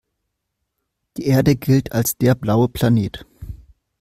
Die Erde gilt als der „blaue Planet“.